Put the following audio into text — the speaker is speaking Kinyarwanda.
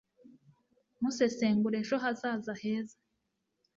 musesengura ejo hazaza heza